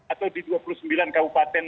atau di dua puluh sembilan kabupaten